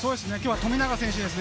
富永選手です。